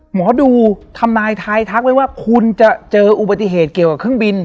หมอดูทำนายทายทักไว้ว่าคุณจะเจออุบัติเหตุเกี่ยวกับเครื่องบิน